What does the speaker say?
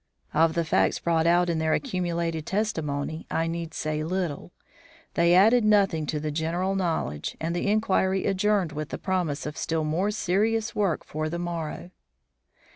Of the facts brought out by their accumulated testimony I need say little. They added nothing to the general knowledge, and the inquiry adjourned with promise of still more serious work for the morrow.